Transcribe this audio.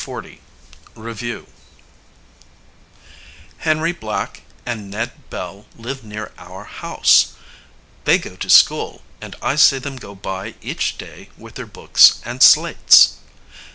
LESSON XL. REVIEW. Henry Black and Ned Bell live near our house. They go to school, and I see them go by each day with their books and slates.